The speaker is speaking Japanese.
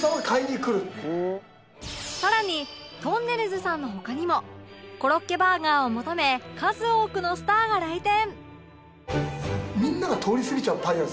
さらにとんねるずさんの他にもコロッケバーガーを求め数多くのスターが来店